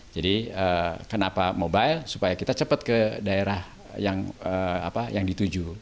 jadi kenapa mobile supaya kita cepat ke daerah yang dituju